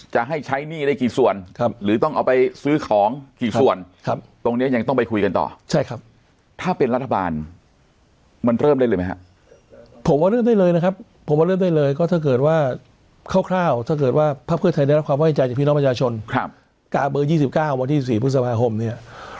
จะให้ใช้หนี้ได้กี่ส่วนครับหรือต้องเอาไปซื้อของกี่ส่วนครับตรงเนี้ยยังต้องไปคุยกันต่อใช่ครับถ้าเป็นรัฐบาลมันเริ่มได้เลยไหมฮะผมว่าเริ่มได้เลยนะครับผมว่าเริ่มได้เลยก็ถ้าเกิดว่าคร่าวถ้าเกิดว่าภาคเพื่อไทยได้รับความไว้ใจจากพี่น้องประชาชนกาเบอร์๒๙วันที่๔พฤษภาคมเนี่ย